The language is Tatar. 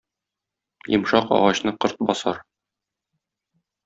Йомшак агачны корт басар.